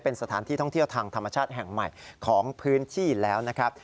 เป็นสถานที่ท่องเที่ยวทางธรรมชาติแห่งใหม่ของพื้นที่แล้วนะครับ